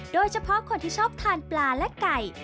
โดยเฉพาะคนที่ชอบทานปลาและไก่